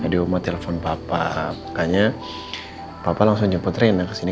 tadi uma telepon papa makanya papa langsung jemput rena kesini